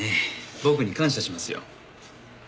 僕に感謝しますよ。